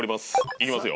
いきますよ。